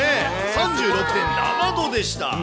３６．７度でした。